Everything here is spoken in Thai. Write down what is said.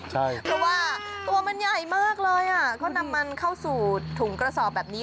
เพราะว่าตัวมันใหญ่มากเลยอ่ะก็นำมันเข้าสู่ถุงกระสอบแบบนี้